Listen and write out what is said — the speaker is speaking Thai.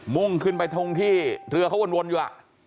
่งขึ้นไปตรงที่เรือเขาวนอยู่